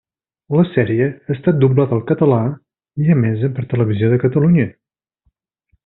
La sèrie ha estat doblada al català i emesa per Televisió de Catalunya.